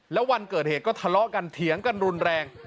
แล้ววันเกิดเหตุก็ทะเลาะกันเถียงกันรุนแรง